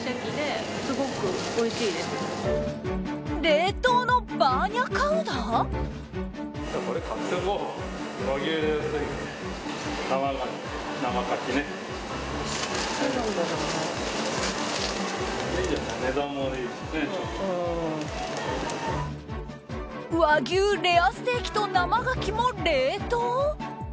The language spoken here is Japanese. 冷凍のバーニャカウダ？和牛レアステーキと生ガキも冷凍？